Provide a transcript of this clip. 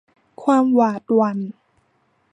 ความหวาดหวั่น